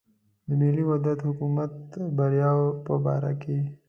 د ملي وحدت حکومت بریاوو په باره کې.